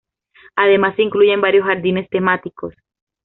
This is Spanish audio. Además se incluyen varios jardines temáticos,